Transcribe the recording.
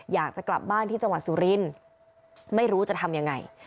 อยากจะกลับบ้านที่จังหวัดสุรินทร์ไม่รู้จะทำยังไง